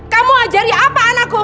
kamu ajarin apa anakku